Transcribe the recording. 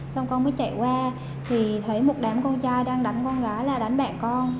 xong con mới chạy qua thì thấy một đám con trai đang đánh con gái là đánh bạn con